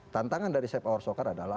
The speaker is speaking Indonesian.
tantangan dari seepa orsokar adalah